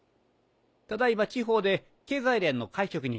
ただ今地方で経済連の会食に。